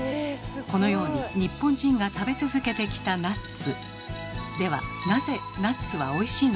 このように日本人が食べ続けてきたナッツ。